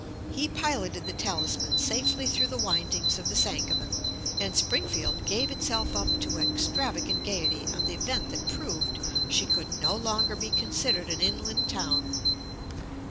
He piloted the Talisman safely through the windings of the Sangamon, and Springfield gave itself up to extravagant gayety on the event that proved she "could no longer be considered an inland town."